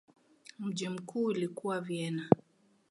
Mji mkuu ulikuwa Vienna.